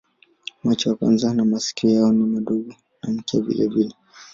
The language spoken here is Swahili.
Macho na masikio yao ni madogo na mkia vilevile.